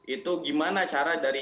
itu gimana cara dari